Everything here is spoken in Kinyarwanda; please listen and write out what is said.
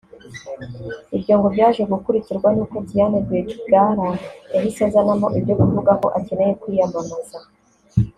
Ibyo ngo byaje gukurikirwa n’uko Diane Rwigara yahise azanamo ibyo kuvuga ko akeneye kwiyamamaza